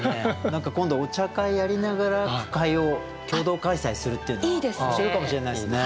何か今度お茶会やりながら句会を共同開催するっていうのは面白いかもしれないですね。